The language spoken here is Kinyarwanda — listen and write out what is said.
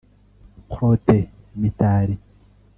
Protais Mitali